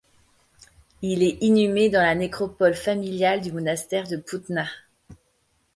Il est inhumé dans la nécropole familiale du Monastère de Putna.